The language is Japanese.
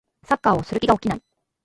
サッカーをする気が起きない